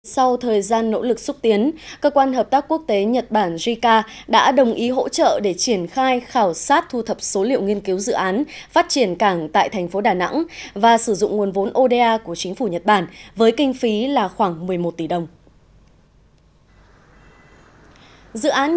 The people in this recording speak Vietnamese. sau thời gian nỗ lực xúc tiến cơ quan hợp tác quốc tế nhật bản jica đã đồng ý hỗ trợ để triển khai khảo sát thu thập số liệu nghiên cứu dự án phát triển cảng tại thành phố đà nẵng và sử dụng nguồn vốn oda của chính phủ nhật bản với kinh phí là khoảng một mươi một tỷ đồng